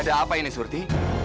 ada apa ini surti